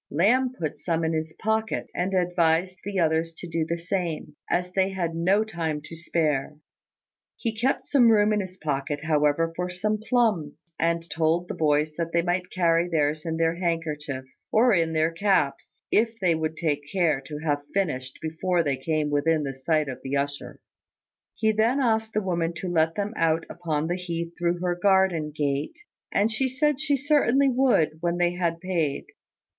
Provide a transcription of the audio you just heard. Lamb put some in his pocket, and advised the others to do the same, as they had no time to spare. He kept some room in his pocket, however, for some plums; and told the boys that they might carry theirs in their handkerchiefs, or in their caps, if they would take care to have finished before they came within sight of the usher. He then asked the woman to let them out upon the heath through her garden gate; and she said she certainly would when they had paid.